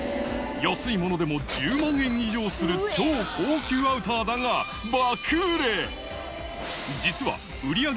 安いものでも１０万円以上する超高級アウターだが、爆売れ。